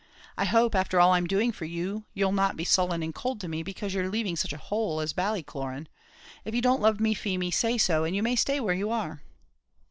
I hope, after all I'm doing for you, you'll not be sullen and cold to me because you're leaving such a hole as Ballycloran. If you don't love me, Feemy, say so, and you may stay where you are."